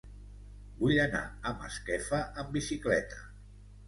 Vull anar a Masquefa amb bicicleta.